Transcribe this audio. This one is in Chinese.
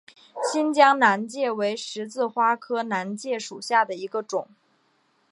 新疆南芥为十字花科南芥属下的一个种。